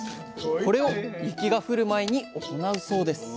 これを雪が降る前に行うそうです